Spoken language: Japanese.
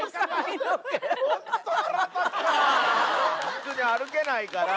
普通に歩けないから。